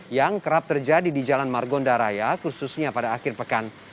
yang kerap terjadi di jalan margonda raya khususnya pada akhir pekan